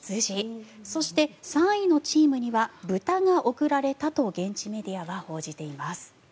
そして３位のチームには豚が贈られたと現地メディアは報じています。